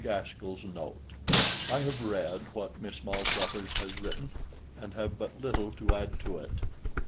GASKELL'S NOTE I have read what Miss Maltravers has written, and have but little to add to it.